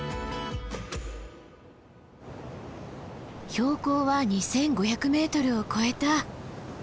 標高は２，５００ｍを越えた。